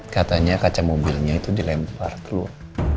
katanya kaca mobilnya itu dilempar keluar